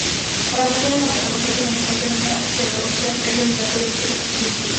Para conocer alguna patología, tenemos que hacer una serología previa obligatoria, buscando posibles virus.